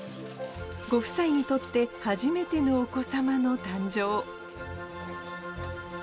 ご夫妻にとって初めてのお子さまの誕生。